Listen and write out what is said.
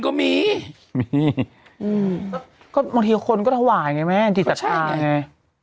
ก็อือมีฮือก็บางทีคนก็ถวายไงแม่จิตสาธาไง